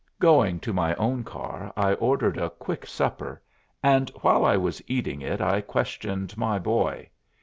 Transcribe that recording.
Going to my own car, I ordered a quick supper, and while I was eating it I questioned my boy.